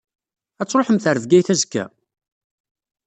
Ad tṛuḥemt ɣer Bgayet azekka?